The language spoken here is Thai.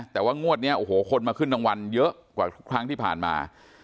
แต่ว่างวดนี้โอ้โหคนมาขึ้นรางวัลเยอะกว่าทุกครั้งที่ผ่านมา